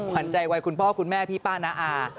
ขวัญใจวัยคุณพ่อคุณแม่พี่ป้าน้าอา